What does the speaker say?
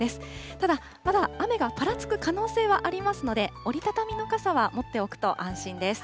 ただ、まだ雨がぱらつく可能性はありますので、折り畳みの傘は持っておくと安心です。